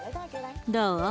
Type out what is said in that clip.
どう？